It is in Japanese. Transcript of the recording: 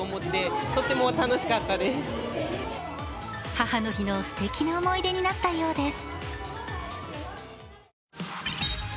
母の日のすてきな思い出になったようです。